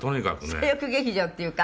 左翼劇場っていうか。